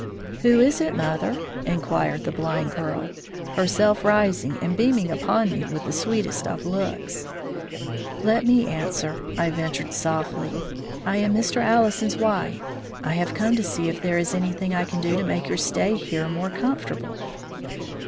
"Who is it, mother?" inquired the blind girl, herself rising and beaming upon me with the sweetest of looks. "Let me answer," I ventured, softly. "I am Mr. Allison's wife. I have come to see if there is anything I can do to make your stay here more comfortable."